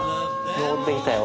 昇ってきたよ。